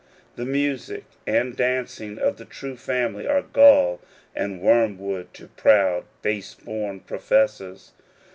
The music and dancing of the true family are gall and worm wood to proud base born professors.